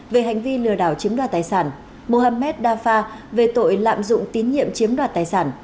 về hành vi lừa đảo chiếm đoạt tài sản mohamed dafar về tội lạm dụng tín nhiệm chiếm đoạt tài sản